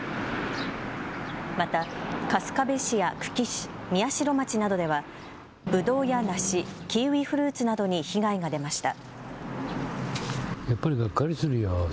また春日部市や久喜市、宮代町などでは、ぶどうや梨、キウイフルーツなどに被害が出ました。